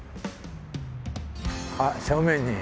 あっ正面に。